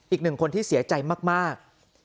อีกหนึ่งคนที่เสียใจมาก